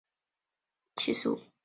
浙江乡试第七十五名。